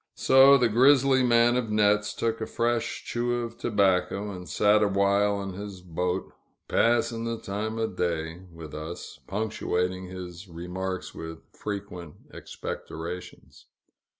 So the grizzly man of nets took a fresh chew of tobacco, and sat a while in his boat, "pass'n' th' time o' day" with us, punctuating his remarks with frequent expectorations.